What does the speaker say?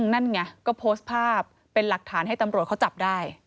นั่นไงก็โพสต์ภาพเป็นหลักฐานให้ตำรวจเขาจับได้